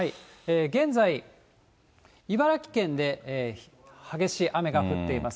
現在、茨城県で激しい雨が降っています。